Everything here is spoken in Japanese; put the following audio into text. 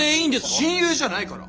親友じゃないから！